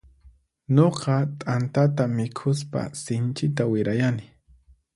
Nuqa t'antata mikhuspa sinchita wirayani.